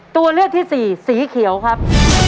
ตัวเลือกที่สี่สีเขียวครับ